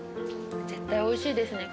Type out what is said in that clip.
絶対おいしいですね。